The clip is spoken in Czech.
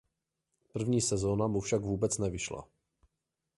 První sezona mu však vůbec nevyšla.